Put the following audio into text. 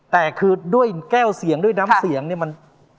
แต่คือด้วยแก้วเสียงด้วยน้ำเสียงเนี่ยมัน